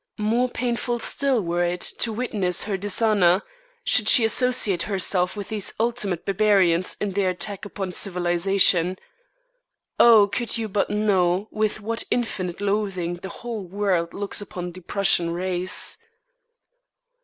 More painful still were it to witness her dishonour, should she associate herself with these ultimate barbarians in their attack upon civilisation. Oh, could you but know with what infinite loathing the whole world looks upon the Prussian race!